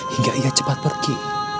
hingga ia cepat pergi